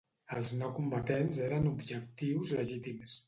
Els no combatents eren objectius legítims.